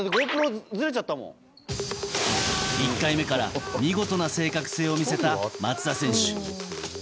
１回目から見事な正確性を見せた松田選手。